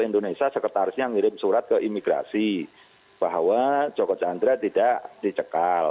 indonesia sekretarisnya ngirim surat ke imigrasi bahwa joko chandra tidak dicekal